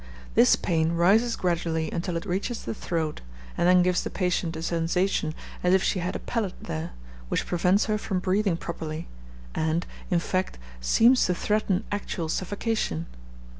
This pain rises gradually until it reaches the throat, and then gives the patient a sensation as if she had a pellet there, which prevents her from breathing properly, and, in fact, seems to threaten actual suffocation.